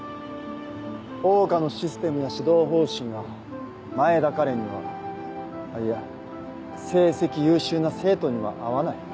桜花のシステムや指導方針は前田花恋にはあっいや成績優秀な生徒には合わない。